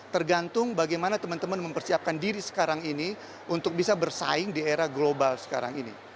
tergantung bagaimana teman teman mempersiapkan diri sekarang ini untuk bisa bersaing di era global sekarang ini